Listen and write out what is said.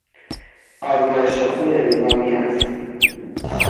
آزمایش خون الزامی است.